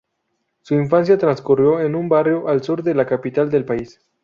Su infancia transcurrió en un barrio al sur de la capital del país.